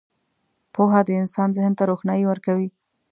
• پوهه د انسان ذهن ته روښنايي ورکوي.